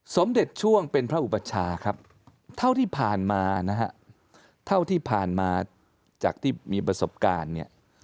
สมเด็จช่วงเป็นพระอุปชาครับเท่าที่ผ่านมานะฮะเท่าที่ผ่านมาจากที่มีประสบการณ์เนี่ย